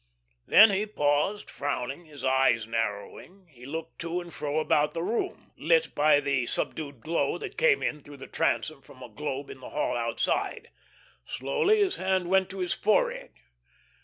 Then he paused, frowning, his eyes narrowing; he looked to and fro about the room, lit by the subdued glow that came in through the transom from a globe in the hall outside. Slowly his hand went to his forehead.